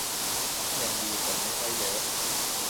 ยังดีคนไม่ค่อยเยอะ